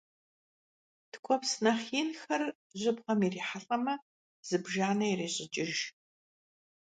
Ткӏуэпс нэхъ инхэр жьыбгъэм ирихьэлӏэмэ, зыбжанэ ирещӏыкӏыж.